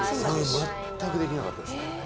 全くできなかったですね。